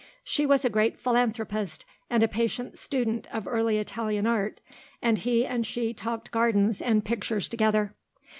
She was a great philanthropist and a patient student of early Italian art, and he and she talked gardens and pictures together.